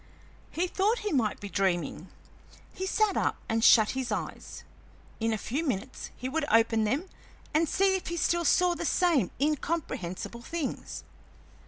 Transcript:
He thought he might be dreaming; he sat up and shut his eyes; in a few minutes he would open them and see if he still saw the same incomprehensible things.